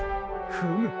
フム。